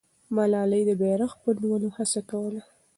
ملالۍ د بیرغ په نیولو هڅه کوله.